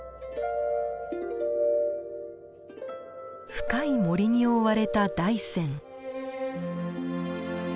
深い森に覆われた大山。